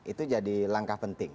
itu jadi langkah penting